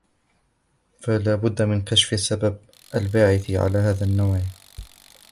فَلَا بُدَّ مِنْ كَشْفِ السَّبَبِ الْبَاعِثِ عَلَى هَذَا النَّوْعِ